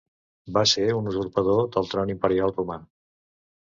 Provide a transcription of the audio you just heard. Va ser un usurpador del tron imperial romà.